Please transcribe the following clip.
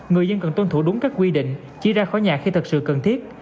người dân cần tuân thủ đúng các quy định chỉ ra khỏi nhà khi thật sự cần thiết